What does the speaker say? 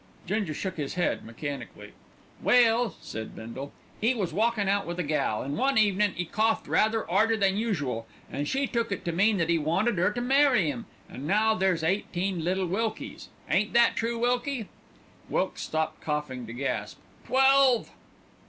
Ginger shook his head mechanically. "Well," said Bindle, "'e was walkin' out with a gal, an' one evenin' 'e coughed rather 'arder than usual, an' she took it to mean that 'e wanted 'er to marry 'im, an' now there's eighteen little Wilkies. Ain't that true, Wilkie?" Wilkes stopped coughing to gasp "Twelve."